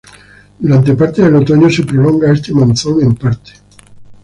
Durante parte del otoño se prolonga este monzón en parte.